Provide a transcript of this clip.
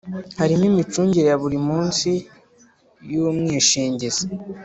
Harimo imicungire ya buri munsi y ‘umwishingizi